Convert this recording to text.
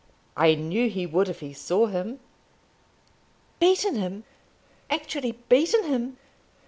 I knew he would if he saw him." "Beaten him! Actually beaten him!"